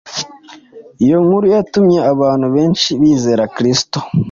Iyo nkuru yatumye abantu benshi bizera Kristo.